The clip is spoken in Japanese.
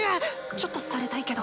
ちょっとされたいけど。